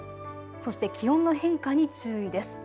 そして気温の変化に注意です。